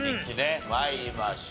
参りましょう。